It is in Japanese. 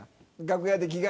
楽屋で。